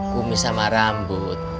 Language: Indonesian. kumis sama rambut